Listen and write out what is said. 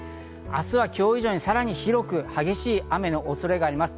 明日は今日以上にさらに広く激しい雨の恐れがあります。